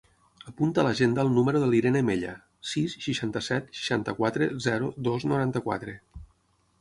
Apunta a l'agenda el número de l'Irene Mella: sis, seixanta-set, seixanta-quatre, zero, dos, noranta-quatre.